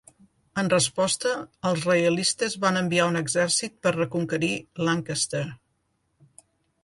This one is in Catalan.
En resposta, els reialistes van enviar un exèrcit per reconquerir Lancaster.